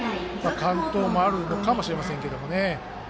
完投もあるのかもしれませんけど。